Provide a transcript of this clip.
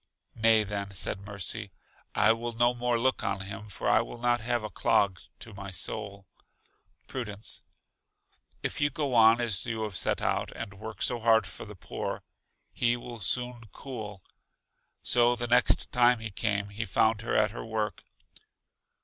Nay then, said Mercy, I will look no more on him, for I will not have a clog to my soul. Prudence: If you go on as you have set out, and work so hard for the poor, he will soon cool. So the next time he came, he found her at her work.